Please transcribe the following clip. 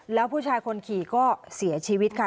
แล้วผู้ชายคนขี่ก็เสียชีวิตค่ะ